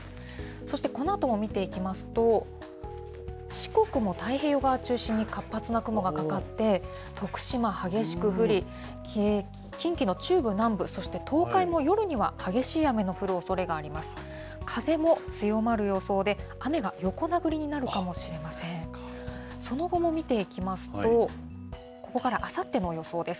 そしてこのあとも見ていきますと、四国も太平洋側を中心に活発な雲がかかって、徳島、激しく降り、近畿の中部南部、そして東海も夜には激しい雨の降るおそれがあります。